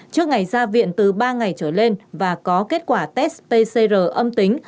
trước ngày ra viện từ ba ngày trở lên và có kết quả test pcr âm tính